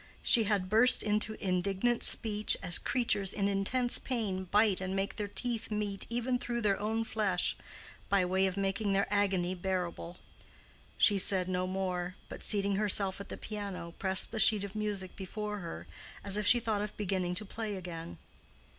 She had burst into indignant speech as creatures in intense pain bite and make their teeth meet even through their own flesh, by way of making their agony bearable. She said no more, but, seating herself at the piano, pressed the sheet of music before her, as if she thought of beginning to play again.